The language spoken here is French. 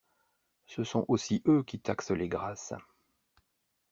Ce sont aussi eux qui taxent les grâces.